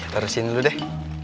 terusin dulu deh